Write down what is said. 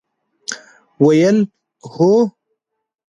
ویل: هو!